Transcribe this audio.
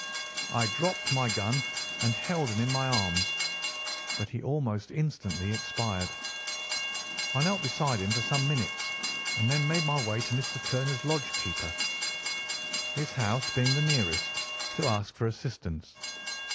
I dropped my gun and held him in my arms, but he almost instantly expired. I knelt beside him for some minutes, and then made my way to Mr. Turner's lodge keeper, his house being the nearest, to ask for assistance.